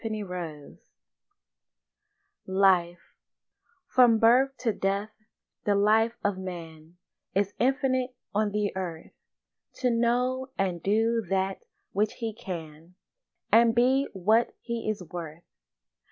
LIFE From birth to death the life of man Is infinite on the earth, To know and do that which he can And be what he is worth.